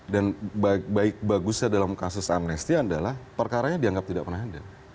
dan baik baik bagusnya dalam kasus amnesti adalah perkaranya dianggap tidak pernah ada